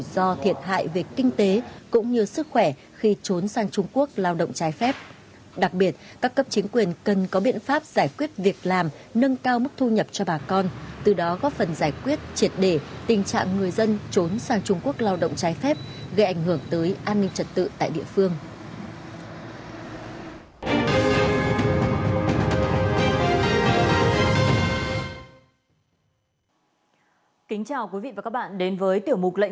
kính chào quý vị và các bạn đến với tiểu mục lệnh truy nã